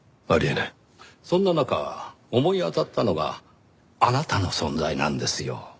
そんな中思い当たったのがあなたの存在なんですよ。